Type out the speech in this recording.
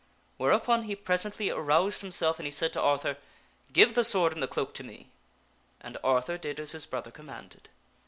Whereupon he presently aroused himself, and he said to Arthur, " Give the sword and the cloak to me," and Arthur did as his brother commanded.